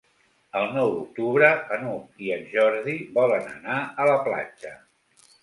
El nou d'octubre n'Hug i en Jordi volen anar a la platja.